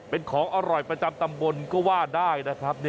เป็นของอร่อยประจำตำบลก็ว่าได้นะครับ